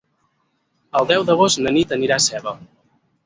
El deu d'agost na Nit anirà a Seva.